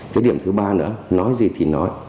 cái điểm thứ ba nữa nói gì thì nói